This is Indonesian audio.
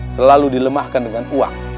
selalu dilemahkan dengan uang